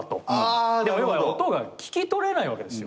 音が聞き取れないわけですよ。